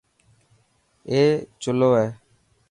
اي چلو هي.